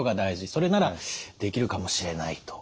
それならできるかもしれないと。